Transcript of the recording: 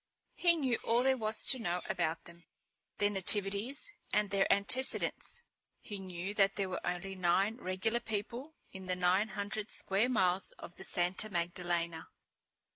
He knew all there was to know about them, their nativities and their antecedents. He knew that there were only nine regular people in the nine hundred square miles of the Santa Magdalena.